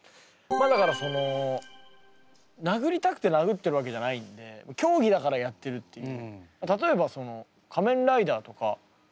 まあだからその殴りたくて殴ってるわけじゃないんで競技だからやってるっていう。